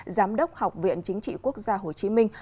giám đốc học viện chính trị quốc gia hồ chí minh